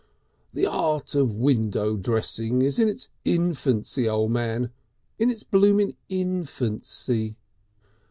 "The art of window dressing is in its infancy, O' Man in its blooming Infancy.